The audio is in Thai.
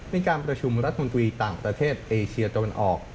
ในการประชุมรัฐมนตรีต่างประเทศเอเชียตะวันออก